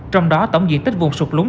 trong đó tổng diện tích vùng sụt lúng